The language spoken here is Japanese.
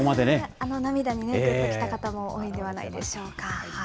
あの涙にぐっときた方も多いんじゃないでしょうか。